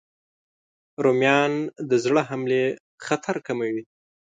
رومیان د زړه حملې خطر کموي